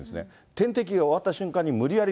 点滴が終わった瞬間に無理やり